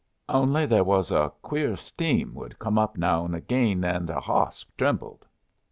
Only, there was a queer steam would come up now and agayn, and her hawss trembled.